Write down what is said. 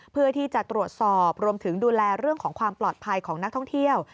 เพื่อที่จะตรวจสอบรวมถึงดูแลเรื่องของความปลอดภัยของนักท่องเที่ยว